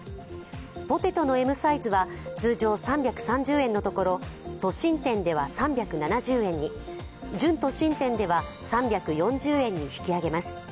ポテトのＭサイズは通常３３０円のところ都心店では３７０円に、準都心店では３４０円に引き上げます。